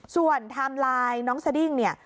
ส่วนไทม์ไลน์น้องสดิ้งเนี่ย